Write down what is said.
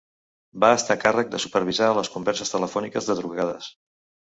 Va estar a càrrec de supervisar les converses telefòniques de trucades.